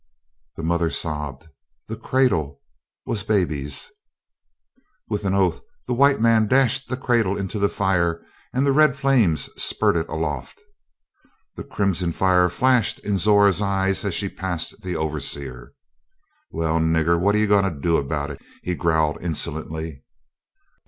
The mother sobbed, "The cradle was baby's!" With an oath the white man dashed the cradle into the fire, and the red flame spurted aloft. The crimson fire flashed in Zora's eyes as she passed the overseer. "Well, nigger, what are you going to do about it?" he growled insolently.